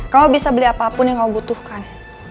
kamu bisa beli apapun yang kamu butuhkan